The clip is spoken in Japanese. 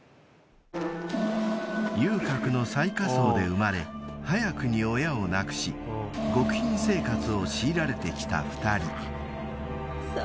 ［遊郭の最下層で生まれ早くに親を亡くし極貧生活を強いられてきた２人］